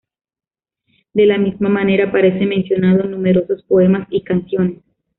De la misma manera aparece mencionado en numerosos poemas y canciones.